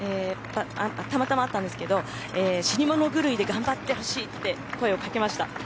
たまたま会ったんですけど死に物狂いで頑張ってほしいと声をかけました。